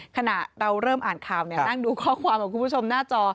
ขณะเราเริ่มอ่านข่าวนั่งดูข้อความของคุณผู้ชมหน้าจอ